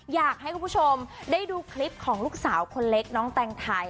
อยากให้คุณผู้ชมได้ดูคลิปของลูกสาวคนเล็กน้องแตงไทย